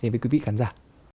về quý vị khán giả